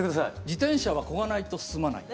自転車はこがないと進まない。